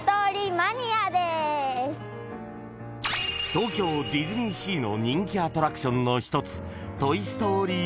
［東京ディズニーシーの人気アトラクションの一つ］